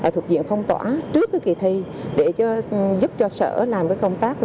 thuộc diện phong tỏa trước kỳ thi để giúp cho sở làm công tác